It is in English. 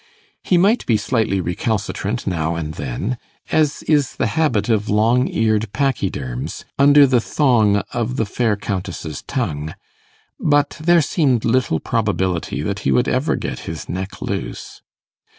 He might be slightly recalcitrant now and then, as is the habit of long eared pachyderms, under the thong of the fair Countess's tongue; but there seemed little probability that he would ever get his neck loose.